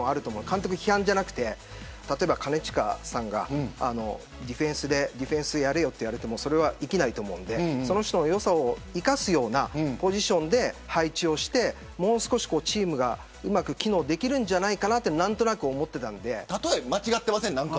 監督批判じゃなくて例えば兼近さんがディフェンスでやれよって言われてもそれはできないと思うのでその人の良さを生かすようなポジションで配置してもう少しチームがうまく機能できるんじゃないかなと、何となく思っていたの例え間違っていません。